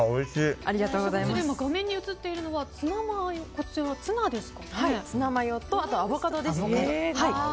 画面に映っているこちらはツナマヨとアボカドです。